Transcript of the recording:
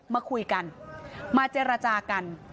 มาคุยกันมาเจรจากัน